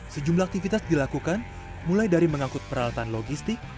sejumlah aktivitas dilakukan mulai dari mengangkut peralatan logistik